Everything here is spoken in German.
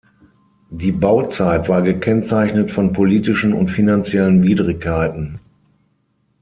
Die Bauzeit war gekennzeichnet von politischen und finanziellen Widrigkeiten.